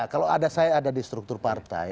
kalau ada saya ada di struktur partai